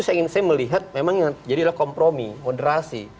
saya melihat memang yang jadilah kompromi moderasi